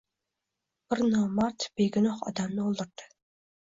Bir nomard, begunoh odamni o’ldirdi.